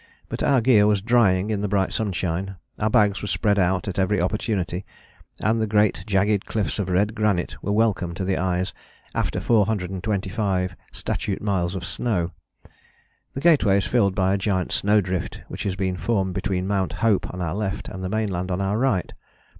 But our gear was drying in the bright sunshine, our bags were spread out at every opportunity, and the great jagged cliffs of red granite were welcome to the eyes after 425 statute miles of snow. The Gateway is filled by a giant snowdrift which has been formed between Mount Hope on our left and the mainland on our right.